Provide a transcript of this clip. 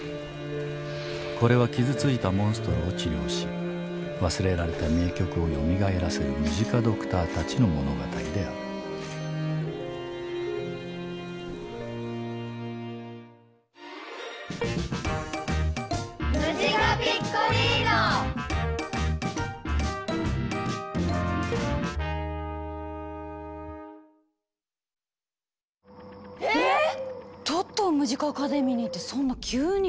これは傷ついたモンストロを治療し忘れられた名曲をよみがえらせるムジカドクターたちの物語であるえぇっ⁉トットをムジカ・アカデミーにってそんな急に。